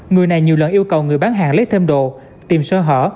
người này nhiều lần yêu cầu người bán hàng lấy thêm đồ tìm sơ hở